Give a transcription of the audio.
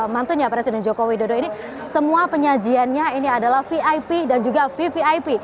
mantunya presiden joko widodo ini semua penyajiannya ini adalah vip dan juga vvip